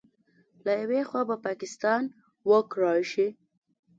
له یوې خوا به پاکستان وکړې شي